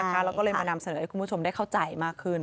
แล้วก็เลยมานำเสนอให้คุณผู้ชมได้เข้าใจมากขึ้น